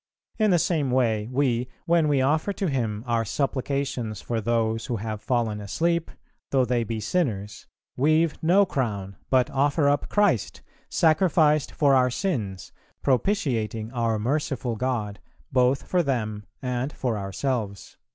In the same way we, when we offer to Him our supplications for those who have fallen asleep, though they be sinners, weave no crown, but offer up Christ, sacrificed for our sins, propitiating our merciful God, both for them and for ourselves."